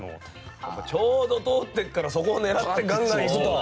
ちょうど通ってくからそこを狙ってガンガンいくと。